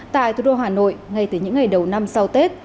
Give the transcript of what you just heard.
tại thủ đô hà nội ngay từ những ngày đầu năm sau tết